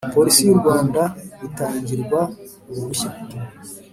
Polisi y u Rwanda bitangirwa uruhushya